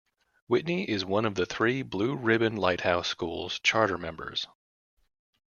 Whitney is one of the three Blue Ribbon Lighthouse Schools Charter Members.